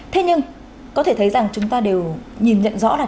thế nhưng có thể thấy rằng chúng ta đều nhìn nhận rõ là